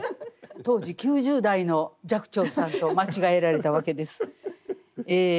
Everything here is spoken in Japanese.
当時９０代の寂聴さんと間違えられたわけです。